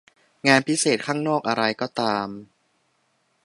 งานพิเศษข้างนอกอะไรก็ตาม